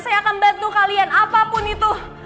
saya akan bantu kalian apapun itu